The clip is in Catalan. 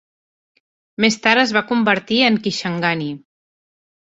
Més tard es va convertir en Kishanganj.